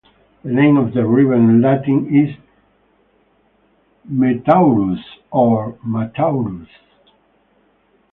The name of the river in Latin is "Metaurus" or "Mataurus.